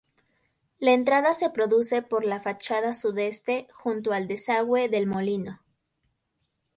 La entrada se produce por la fachada sudeste, junto al desagüe del molino.